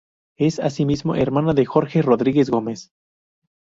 Es, asimismo, hermana de Jorge Rodríguez Gómez.